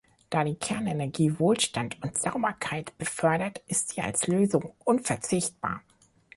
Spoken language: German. Da die Kernenergie Wohlstand und Sauberkeit befördert, ist sie als Lösung unverzichtbar.